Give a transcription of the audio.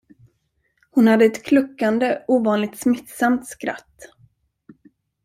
Hon hade ett kluckande, ovanligt smittsamt skratt.